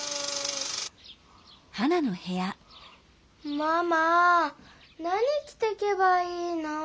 ママ何きてけばいいの？